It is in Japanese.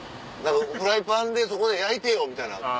フライパンでそこで焼いてよみたいな。